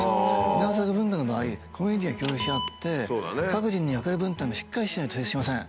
稲作文化の場合コミュニティーが協力し合って各人の役割分担がしっかりしてないと成立しません。